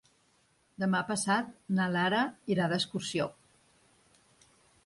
Demà passat na Lara irà d'excursió.